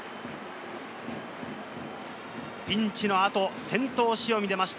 ピンチの後、先頭・塩見で出ました。